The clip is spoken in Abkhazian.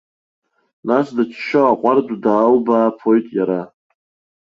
Нас дыччо аҟәардә даалбааԥоит иара.